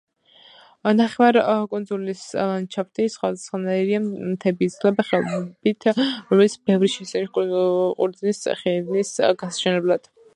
ნახევარკუნძულის ლანდშაფტი სხვადასხვანაირია: მთები იცვლება ხეობებით, რომელთაგან ბევრი შესანიშნავია ყურძნის ხეივნის გასაშენებლად.